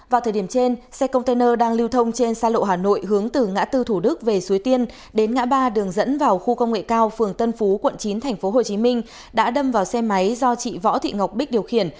vào thời điểm trên xe container đang lưu thông trên xa lộ hà nội hướng từ ngã tư thủ đức về suối tiên đến ngã ba đường dẫn vào khu công nghệ cao phường tân phú quận chín tp hcm đã đâm vào xe máy do chị võ thị ngọc bích điều khiển